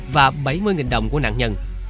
và bảy mươi nghìn đồng của nạn nhân